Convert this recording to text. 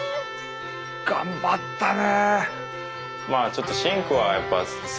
頑張ったね。